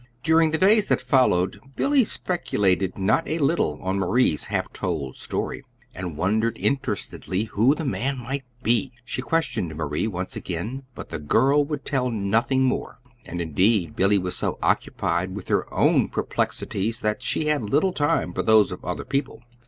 During the days that followed, Billy speculated not a little on Marie's half told story, and wondered interestedly who the man might be. She questioned Marie once again, but the girl would tell nothing more; and, indeed, Billy was so occupied with her own perplexities that she had little time for those of other people.